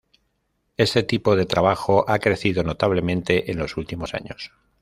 Este tipo de trabajo ha crecido notablemente en los últimos años.